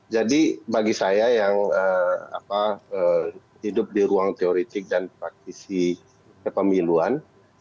jadi bagi saya yang hidup di ruang teoretik dan praktisi kepemiluan